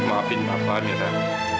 maafin papa miran